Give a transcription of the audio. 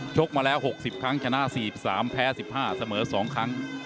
กมาแล้ว๖๐ครั้งชนะ๔๓แพ้๑๕เสมอ๒ครั้ง